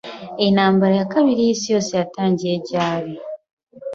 Intambara ya Kabiri y’Isi Yose yatangiye ryari?